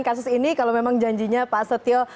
kasus ini kalau memang janjinya pak setio